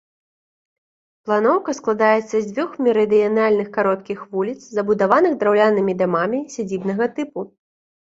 Планоўка складаецца з дзвюх мерыдыянальных кароткіх вуліц, забудаваных драўлянымі дамамі сядзібнага тыпу.